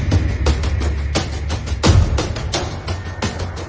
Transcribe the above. แล้วก็พอเล่ากับเขาก็คอยจับอย่างนี้ครับ